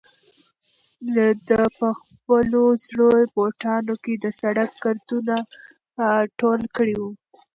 ده په خپلو زړو بوټانو کې د سړک ګردونه ټول کړي وو.